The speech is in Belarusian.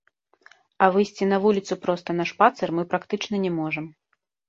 А выйсці на вуліцу проста на шпацыр мы практычна не можам.